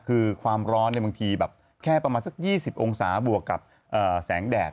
คือความร้อนบางทีแบบแค่ประมาณสัก๒๐องศาบวกกับแสงแดด